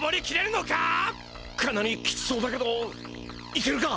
かなりきつそうだけど行けるか？